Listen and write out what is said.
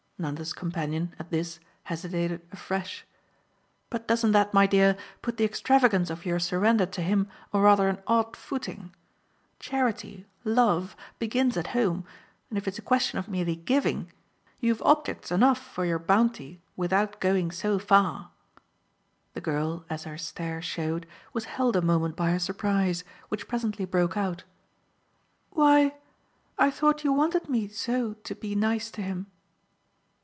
Nanda's companion, at this, hesitated afresh. "But doesn't that, my dear, put the extravagance of your surrender to him on rather an odd footing? Charity, love, begins at home, and if it's a question of merely GIVING, you've objects enough for your bounty without going so far." The girl, as her stare showed, was held a moment by her surprise, which presently broke out. "Why, I thought you wanted me so to be nice to him!"